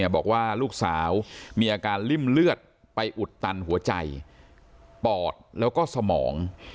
บอกว่าลูกสาวมีอาการริ่มเลือดไปอุดตันหัวใจปอดแล้วก็สมอง